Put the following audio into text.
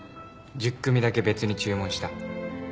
１０組だけ別に注文した。